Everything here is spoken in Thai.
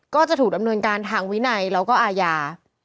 ก็จะถูกดำเนินการทางวินัยแล้วก็อาญา